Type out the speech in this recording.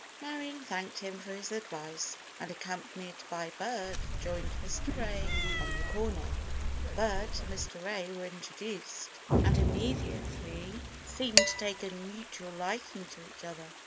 Marion thanked him for his advice and accompanied by Bert, joined Mr. Ray on the corner. Bert and Mr. Ray were introduced, and immediately seemed to take a mutual liking to each other.